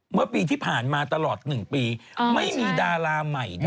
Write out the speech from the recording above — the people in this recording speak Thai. เมื่อปีที่ผ่านมาตลอด๑ปีไม่มีดาราใหม่